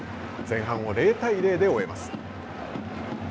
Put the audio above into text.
前半を０対０で終えます。